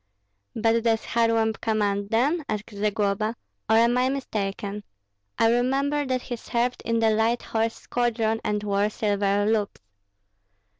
"But does Kharlamp command them," asked Zagloba, "or am I mistaken? I remember that he served in the light horse squadron and wore silver loops."